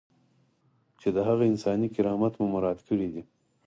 چې د هغه انساني کرامت مو مراعات کړی دی.